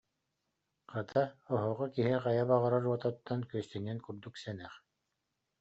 Хата, оһоҕо киһи хайа баҕарар уот оттон, күөстэниэн курдук сэнэх